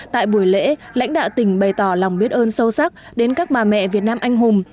tại buổi lễ lãnh đạo tỉnh bày tỏ lòng biết ơn sâu sắc đến các bà mẹ việt nam anh hùng